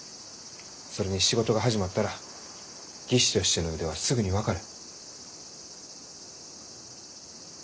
それに仕事が始まったら技師としての腕はすぐに分かる。